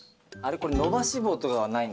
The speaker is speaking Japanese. これ伸ばし棒とかはないんですか？